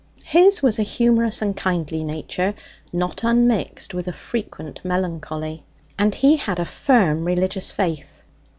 His was a humorous and kindly nature, not unmixed with a frequent melancholy; and he had a firm religious faith.